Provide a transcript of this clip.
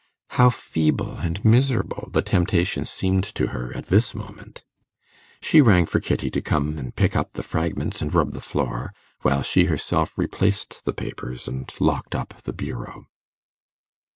How feeble and miserable the temptation seemed to her at this moment! She rang for Kitty to come and pick up the fragments and rub the floor, while she herself replaced the papers and locked up the bureau.